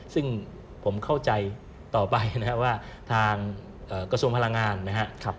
ซึ่งผมเข้าใจต่อไปนะครับว่าทางกระทรวงพลังงานนะครับ